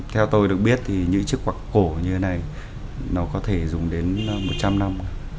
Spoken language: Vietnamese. theo tôi được biết thì những chiếc quạng cổ như thế này nó có thể dùng đến một trăm linh năm rồi